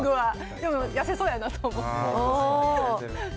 でも痩せそうやなと思って。